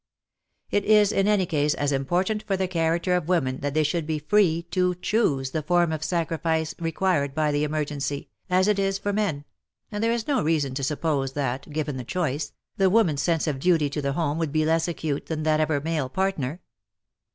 It is in any case as important for the character of women that they should be free to choose the form of sacrifice required by the emergency, as it is for men, and there is no reason to suppose that, given the choice, the woman's sense of duty to the home would be less acute than that of her male partner.